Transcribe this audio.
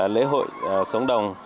lễ hội xuống đồng